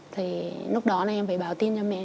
thì lúc đó em phải báo tin cho mẹ